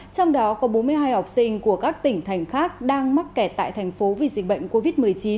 trong đó có bốn mươi hai học sinh của các tỉnh thành khác đang mắc kẹt tại thành phố vì dịch bệnh covid một mươi chín